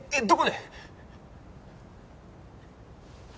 どこで！？